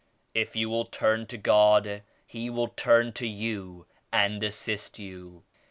If you will turn to God, He will turn to you and assist you.